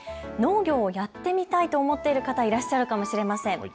農業をやってみたいと思っている方、いらっしゃるかもしれません。